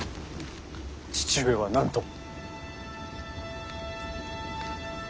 父上は何と。